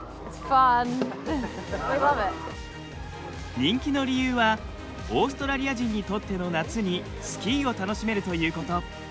人気の理由はオーストラリア人にとっての夏にスキーを楽しめるということ。